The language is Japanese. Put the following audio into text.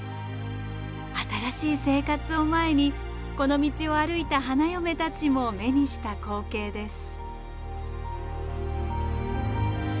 新しい生活を前にこの道を歩いた花嫁たちも目にした光景です。